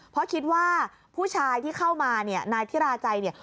เพราะคิดว่าผู้ชายที่เข้ามานายธิราชัย